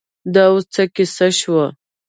دا اوس څه کیسه شوه.